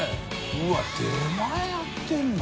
うわっ出前やってるの？